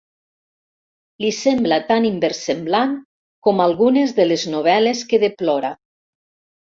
Li sembla tan inversemblant com algunes de les novel·les que deplora.